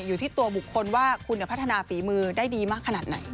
อยู่ที่ตัวบุคคลว่าคุณพัฒนาฝีมือได้ดีมากขนาดไหน